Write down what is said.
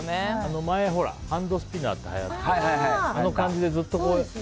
前、ハンドスピナーってはやったけどあの感じでずっとね。